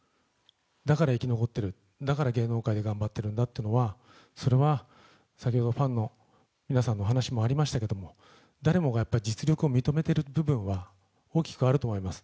だから生き残っている、だから芸能界で頑張ってるんだというのは、それは先ほどファンの皆さんのお話もありましたけれども、誰もがやっぱり実力を認めてる部分は大きくあると思います。